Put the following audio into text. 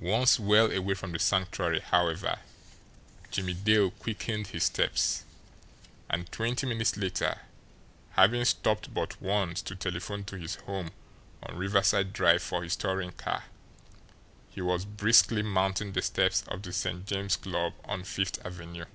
Once well away from the Sanctuary, however, Jimmie Dale quickened his steps; and twenty minutes later, having stopped but once to telephone to his home on Riverside Drive for his touring car, he was briskly mounting the steps of the St. James Club on Fifth Avenue.